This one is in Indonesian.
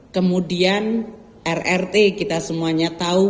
kemudian rrt kita semuanya tahu